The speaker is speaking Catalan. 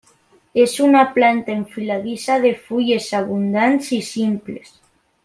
És una planta enfiladissa de fulles abundants i simples.